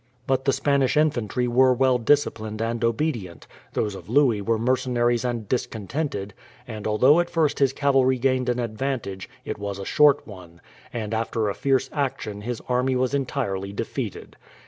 But the Spanish infantry were well disciplined and obedient, those of Louis were mercenaries and discontented; and although at first his cavalry gained an advantage, it was a short one, and after a fierce action his army was entirely defeated.